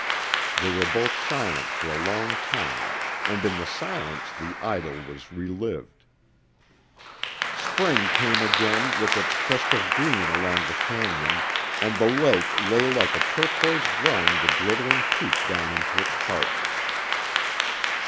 They were both silent for a long time and in the silence the idyll was re lived. Spring came again with its crest of green along the cañon and the lake lay like a turquoise drawing the glittering peak down into its heart.